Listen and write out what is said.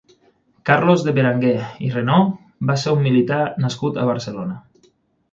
Carlos de Beranger i Renaud va ser un militar nascut a Barcelona.